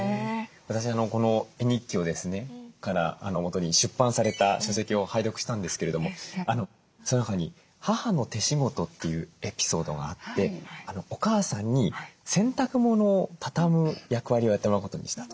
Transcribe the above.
私この絵日記をですねもとに出版された書籍を拝読したんですけれどもその中に「母の手仕事」というエピソードがあっておかあさんに洗濯物を畳む役割をやってもらうことにしたと。